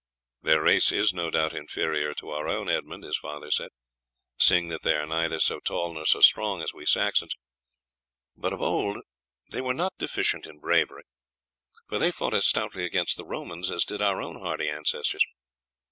"Their race is no doubt inferior to our own, Edmund," his father said, "seeing that they are neither so tall nor so strong as we Saxons, but of old they were not deficient in bravery, for they fought as stoutly against the Romans as did our own hardy ancestors.